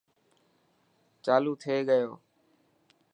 چالو ٿي گيو.